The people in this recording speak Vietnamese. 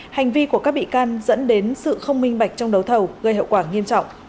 hành vi của các bị can dẫn đến sự không minh bạch trong đấu thầu gây hậu quả nghiêm trọng